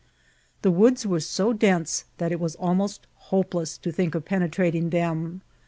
The woods were so dense that it was almost hopeless to think of penetrating them.